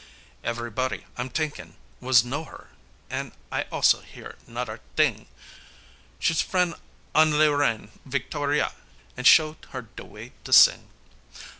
Ev'ryboddy I'm t'inkin' was know her, an' I also hear 'noder t'ing, She's frien' on La Reine Victoria an' show her de way to sing!"